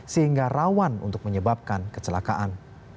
sehingga rawan untuk menyebabkan kecelakaan